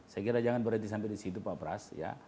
saya kira jangan berhenti sampai di situ pak pras